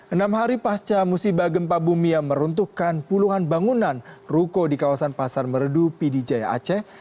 enam hari pasca musibah gempa bumia meruntuhkan puluhan bangunan ruko di kawasan pasar meredu p d jaya aceh